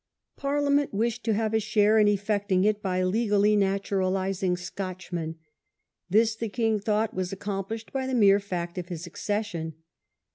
Parliament wished to have a share in effecting it by legally naturalizing Scotchmen. This, the king thought, was accomplished by the mere fact of his accession.